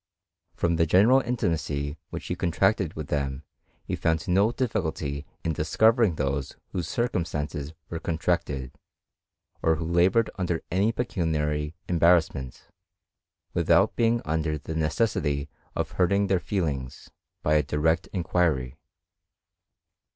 From the general intimacy which he contracted with them he found no difficulty in discovering those whose circum stances were contracted, or who laboured under any pecuniary embarrassment, without being under the necessity of hurting their feelings by a direct inquiry.